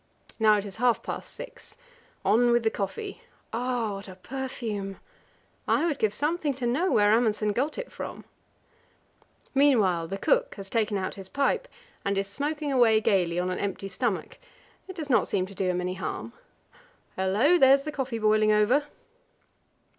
Now it is half past six. On with the coffee! Ah, what a perfume! I would give something to know where Amundsen got it from. Meanwhile the cook has taken out his pipe, and is smoking away gaily on an empty stomach; it does not seem to do him any harm. Hullo! There's the coffee boiling over.